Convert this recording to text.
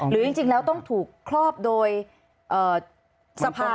หรือจริงแล้วต้องถูกครอบโดยสภา